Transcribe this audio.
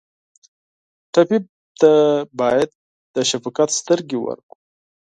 ټپي ته باید د شفقت سترګې ورکړو.